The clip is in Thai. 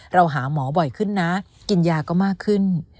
เราหาหมอบ่อยขึ้นนะกินยาก็มากขึ้น